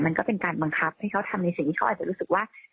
มันก็เป็นการบังคับให้เขาทำในสิ่งที่เขาอาจจะรู้สึกว่า